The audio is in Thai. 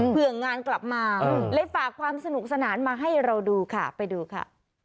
เพื่องานกลับมาเลยฝากความสนุกสนานมาให้เราดูค่ะไปดูค่ะ